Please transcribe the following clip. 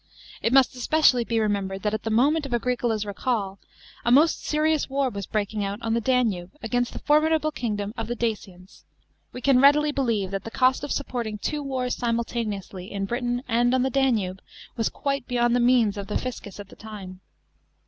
It must especially be remembered that at the moment of Agricola's recall a most serious war was breaking out on the Danube against the formidable kingdom of the Dacians. We can readily believe that the cost of supporting two wars simultaneously in Britain and on the Danube was quite beyond the means of the fiscus at the time.